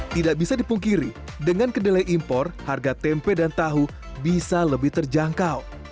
tidak bisa dipungkiri dengan kedelai impor harga tempe dan tahu bisa lebih terjangkau